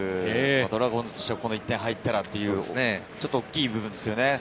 ドラゴンズとしては１点入ったらという大きい部分ですね。